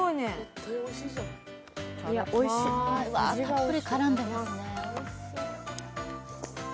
たっぷり絡んでますね。